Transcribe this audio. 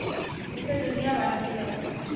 جسے دنیا مانتی ہے۔